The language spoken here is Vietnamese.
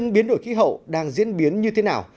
biến đổi khí hậu đang diễn biến như thế nào